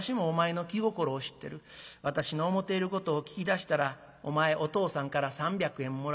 私の思ていることを聞き出したらお前お父さんから３００円もらえる。